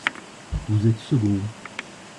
Vous êtes second.